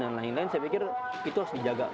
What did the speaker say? dan lain lain saya pikir itu harus dijaga